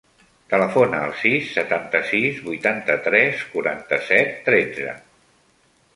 Telefona al sis, setanta-sis, vuitanta-tres, quaranta-set, tretze.